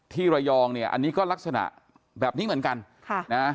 ระยองเนี่ยอันนี้ก็ลักษณะแบบนี้เหมือนกันค่ะนะ